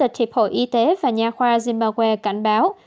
tiến sĩ johannes marissa chủ tịch hiệp hội y tế và nhà khoa zimbabwe cảnh báo